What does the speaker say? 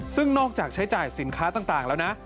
ซึ่งนอกจากใช้จ่ายสินค้าต่างแล้วนะ